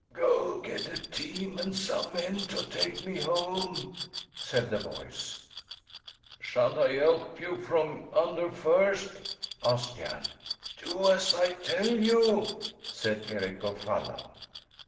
"Go get a team and some men to take me home," said the voice. "Shan't I help you from under first?" asked Jan. "Do as I tell you!" said Eric of Falla.